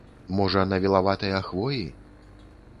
Можа, на вілаватыя хвоі?